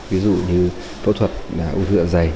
ví dụ như phẫu thuật ưu thư ở giày